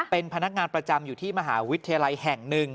เป็นพนักงานประจำอยู่ที่มหาวิทยาลัยแห่งหนึ่ง